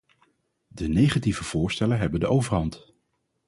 De negatieve voorstellen hebben de overhand.